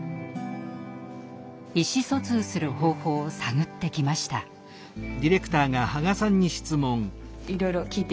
意思疎通する方法を探ってきました。ＯＫ。